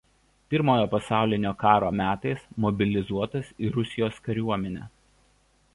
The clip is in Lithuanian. Pirmojo pasaulinio karo metais mobilizuotas į Rusijos kariuomenę.